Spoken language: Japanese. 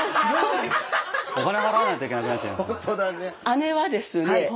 姉はですね